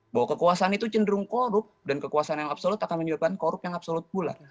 bahwa kekuasaan itu cenderung korup dan kekuasaan yang absolut akan menyebabkan korup yang absolut pula